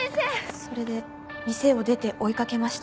それで店を出て追い掛けました。